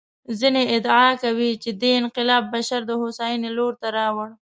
ځینې ادعا کوي چې دې انقلاب بشر د هوساینې لور ته راوړ.